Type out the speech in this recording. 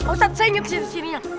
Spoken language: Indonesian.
ustadz saya nyuruh ke sini